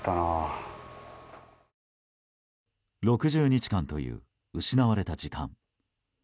６０日間という失われた時間。